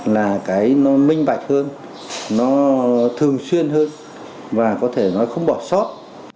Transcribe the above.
là cái nó minh bạch hơn nó thường xuyên hơn và có thể nói không bỏ sót